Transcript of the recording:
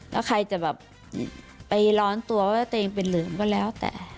แล้วใครจะแบบไปร้อนตัวว่าตัวเองเป็นเหลิมก็แล้วแต่